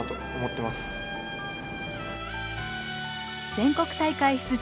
全国大会出場